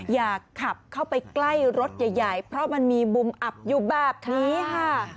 อยากขับเข้าไปใกล้รถใหญ่เพราะมันมีมุมอับอยู่แบบนี้ค่ะ